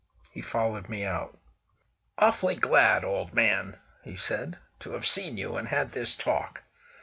He followed me out. "Awfully glad, old man," he said, "to have seen you, and had this talk.